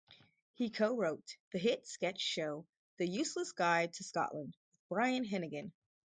He co-wrote the hit sketch show 'The Useless Guide to Scotland' with Brian Hennigan.